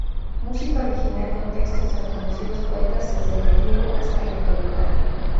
Música original con textos de reconocidos poetas desde el medievo hasta la actualidad.